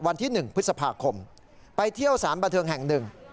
วันที่๑พฤษภาคมไปเที่ยวสารบันเทิงแห่งหนึ่ง